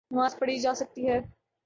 نماز پڑھی جاسکتی ہے۔